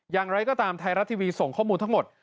อย่างไรก็ตามไทยรัฐทีวีส่งข้อมูลทั้งหมด